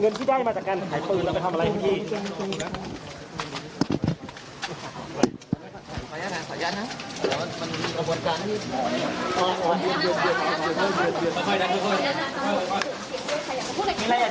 ที่ได้มาจากการขายปืนเราไปทำอะไรพี่